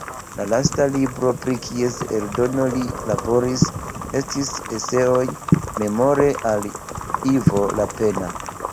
La lasta libro pri kies eldono li laboris estis "Eseoj Memore al Ivo Lapenna".